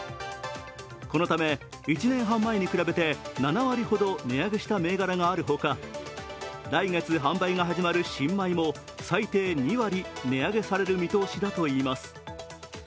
このため、１年半前に比べて７割ほど値上げした銘柄があるほか来月販売が始まる新米も最低２割値上げされる見通しだといいます。